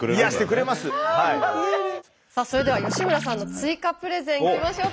それでは吉村さんの追加プレゼンいきましょうか。